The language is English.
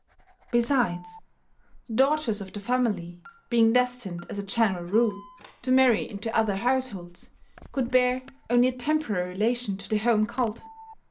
Besides, the daughters of the family, being destined, as a general rule, to marry into other households, could bear only a temporary relation to the home cult.